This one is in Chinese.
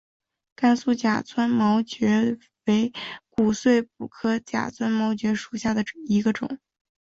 甘肃假钻毛蕨为骨碎补科假钻毛蕨属下的一个种。